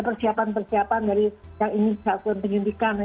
persiapan persiapan dari yang ingin yang ingin dihapus yang ingin dihapus